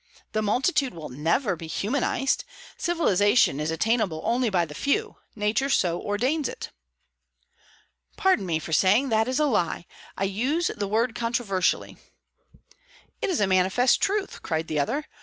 The multitude will never be humanized. Civilization is attainable only by the few; nature so ordains it." "Pardon me for saying that is a lie! I use the word controversially." "It is a manifest truth!" cried the other.